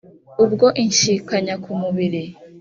Ubwo inshyikanya ku mubiri